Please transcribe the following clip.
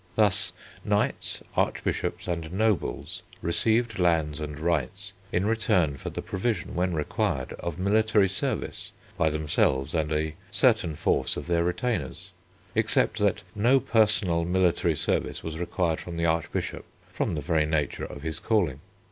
Thus, knights, archbishops, and nobles received lands and rights in return for the provision, when required, of military service by themselves and a certain force of their retainers, except that no personal military service was required from the archbishop from the very nature of his calling.